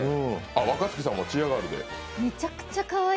若槻さんもチアガールで。